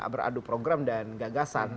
beradu program dan gagasan